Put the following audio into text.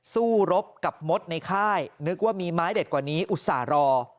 สู้รบกับมดในค่ายนึกว่ามีไม้เด็ดกว่านี้อุตส่าห์รอ